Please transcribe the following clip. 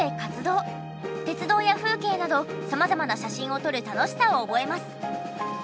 鉄道や風景など様々な写真を撮る楽しさを覚えます。